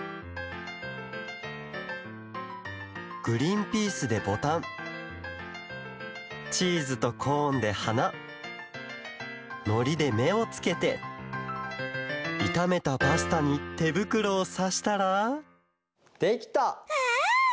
グリンピースでボタンチーズとコーンではなのりでめをつけていためたパスタにてぶくろをさしたらできた！わ！